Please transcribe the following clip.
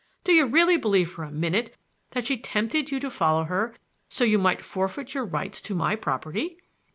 Do you really believe for a minute that she tempted you to follow her, so you might forfeit your rights to my property?"